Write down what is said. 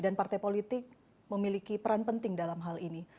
dan partai politik memiliki peran penting dalam hal ini